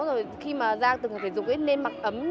rồi khi mà ra tường thể dục nên mặc ấm